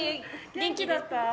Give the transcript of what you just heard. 元気だった？